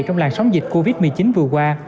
trong làn sóng dịch covid một mươi chín vừa qua